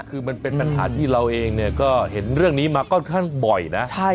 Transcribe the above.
คือมันเป็นปัญหาที่เราเองเนี่ยก็เห็นเรื่องนี้มาค่อนข้างบ่อยนะ